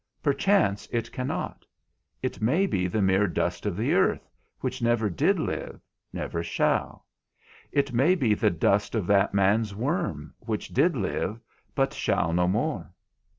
Perchance it cannot; it may be the mere dust of the earth, which never did live, never shall. It may be the dust of that man's worm, which did live, but shall no more.